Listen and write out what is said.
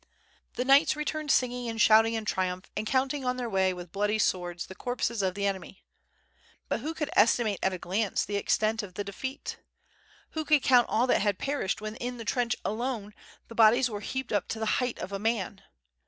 The knights returned singing ai^d shouting in triumph, and counting on their way with bloody swords the corpses of the enemy. But who could estimate at a glance the extent of the defeat? Who could count all that had perished when in the trench alone the bodies were heaped up to the height of a man?